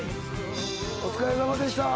お疲れさまでした。